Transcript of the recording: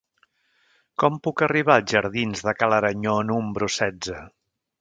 Com puc arribar als jardins de Ca l'Aranyó número setze?